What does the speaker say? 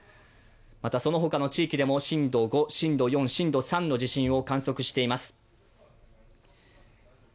またそのほかの地域では震度５、震度４、震度３の地震を観測しています。